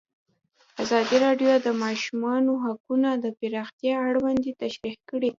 ازادي راډیو د د ماشومانو حقونه د پراختیا اړتیاوې تشریح کړي.